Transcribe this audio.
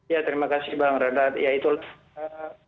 ya terima kasih bang renat